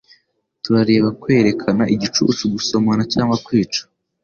Turareba kwerekana igicucu gusomana cyangwa kwica